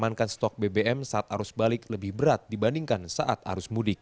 mengamankan stok bbm saat arus balik lebih berat dibandingkan saat arus mudik